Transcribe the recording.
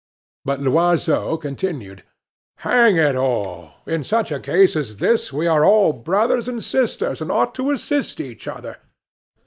But Loiseau continued: "Hang it all, in such a case as this we are all brothers and sisters and ought to assist each other.